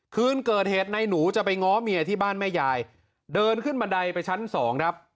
คืนเกิดเหตุในหนูจะไปง้อเมียที่บ้านแม่ยายเดินขึ้นบันไดไปชั้นสองครับ